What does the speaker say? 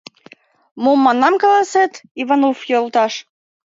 Мом, манам, каласет, Иванов йолташ?